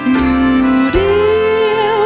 อยู่เดียว